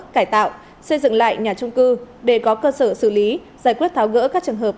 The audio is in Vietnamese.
cải tạo xây dựng lại nhà trung cư để có cơ sở xử lý giải quyết tháo gỡ các trường hợp